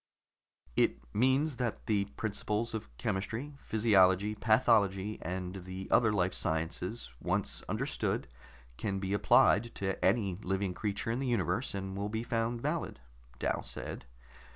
"It means that the principles of chemistry, physiology, pathology and the other life sciences, once understood, can be applied to any living creature in the universe, and will be found valid," Dal said.